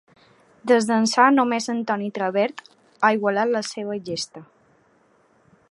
Des d'ençà, només en Tony Trabert ha igualat la seva gesta.